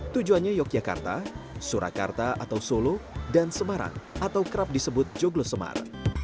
tujuannya yogyakarta surakarta atau solo dan semarang atau kerap disebut joglo semar